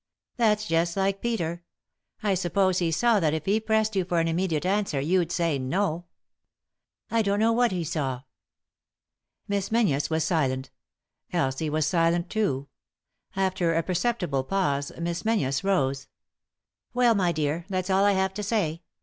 " That's just like Peter. I suppose he saw that it he pressed you for an immediate answer you'd say 'No'?" "I don't know what he saw." Miss Menzies was silent ; Elsie was silent too. After a perceptible pause Miss Menzies rose. " Well, my dear, that's all I have to say.